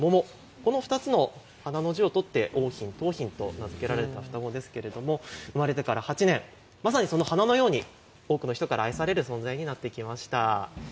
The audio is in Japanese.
この２つの文字を取って桜浜、桃浜と名付けられた双子ですけれども生まれてから８年まさに花のように多くの人から愛される存在になってきました。